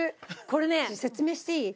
これね説明していい？